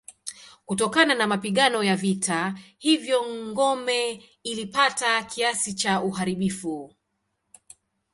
Kutokana na mapigano ya vita hivyo ngome ilipata kiasi cha uharibifu.